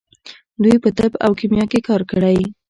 دوی په طب او کیمیا کې کار کړی.